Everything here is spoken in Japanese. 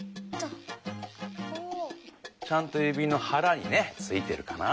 ちゃんとゆびのはらにねついてるかな。